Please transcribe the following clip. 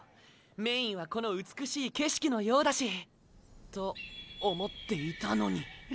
メインはこの美しい景色のようだしと思っていたのに。